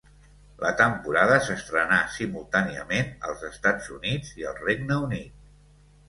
La temporada s'estrenà simultàniament als Estats Units i al Regne Unit.